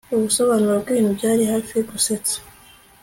Ubusobanuro bwibintu byari hafi gusetsa